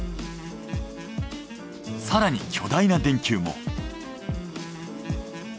更に巨大な電球も。